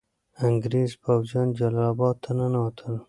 انګریز پوځیان جلال اباد ته ننوتل.